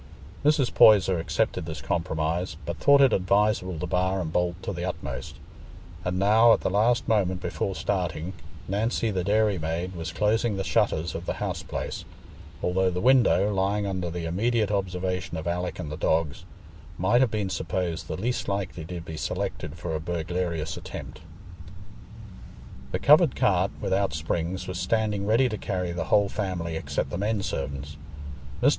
Mrs. Poyser accepted this compromise, but thought it advisable to bar and bolt to the utmost; and now, at the last moment before starting, Nancy, the dairy maid, was closing the shutters of the house place, although the window, lying under the immediate observation of Alick and the dogs, might have been supposed the least likely to be selected for a burglarious attempt. The covered cart, without springs, was standing ready to carry the whole family except the men servants. Mr.